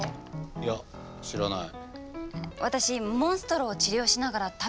いや知らない。